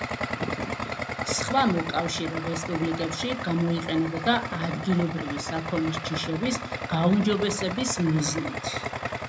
სხვა მოკავშირე რესპუბლიკებში გამოიყენებოდა ადგილობრივი საქონლის ჯიშების გაუმჯობესების მიზნით.